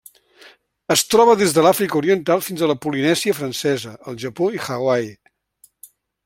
Es troba des de l'Àfrica Oriental fins a la Polinèsia Francesa, el Japó i Hawaii.